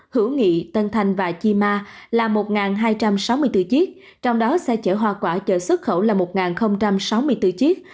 hữu nghị tân thành và chi ma là một hai trăm sáu mươi bốn chiếc trong đó xe chở hoa quả chợ xuất khẩu là một sáu mươi bốn chiếc